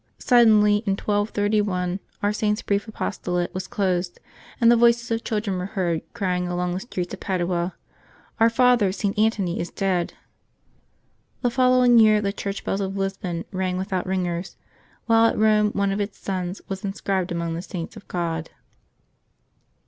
Suddenly, in 1231, our Saint's brief apostolate was closed, and the voices of chil dren were heard crying along the streets of Padua, " Our father, St. Antony, is dead.'' The following year, the church bells of Lisbon rang without ringers, while at Eome one of its sons was inscribed among the Saints of God.